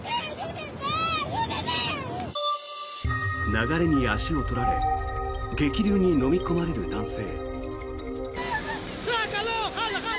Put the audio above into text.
流れに足を取られ激流にのみ込まれる男性。